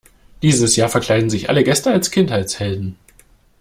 Dieses Jahr verkleiden sich alle Gäste als Kindheitshelden.